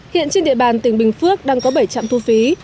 hiện trên địa bàn tỉnh bình phước đang có bảy trạm thu phí